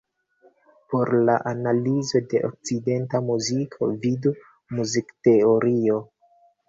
Por la analizo de okcidenta muziko, vidu muzikteorio.